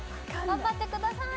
頑張ってください。